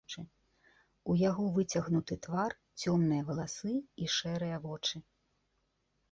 У яго выцягнуты твар, цёмныя валасы і шэрыя вочы.